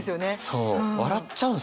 そう笑っちゃうんですよね。